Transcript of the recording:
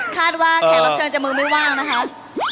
คาดว่าแค่เราเชิญจะมือไม่ว่างนะคะ